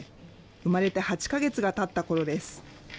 産まれて８か月がたったころです。